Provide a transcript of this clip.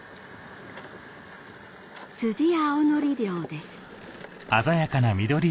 スジアオノリ漁です